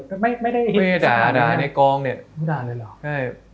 ไปด่าด่าในกรองเนี่ย